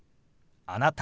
「あなた」。